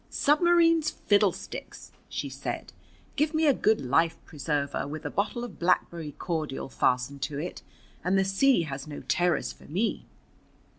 "Submarines fiddlesticks!" she said. "Give me a good life preserver, with a bottle of blackberry cordial fastened to it, and the sea has no terrors for me."